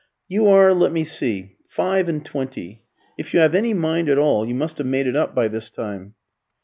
"You are let me see five and twenty. If you have any mind at all, you must have made it up by this time."